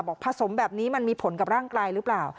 ผสมแบบนี้มันมีผลกับร่างกายหรือเปล่า